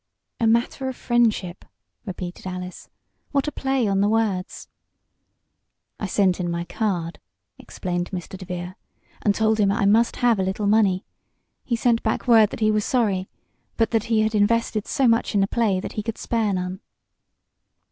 "A matter of friendship," repeated Alice. "What a play on the words!" "I sent in my card," explained Mr. DeVere, "and told him I must have a little money. He sent back word that he was sorry, but that he had invested so much in the play that he could spare none."